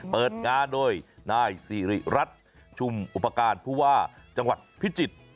เปิดงานโดยนายสิริรัตน์ชุมอุปการณ์ผู้ว่าจังหวัดพิจิตร